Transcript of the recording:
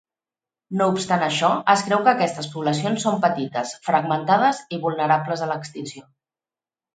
No obstant això, es creu que aquestes poblacions són petites, fragmentades i vulnerables a l’extinció.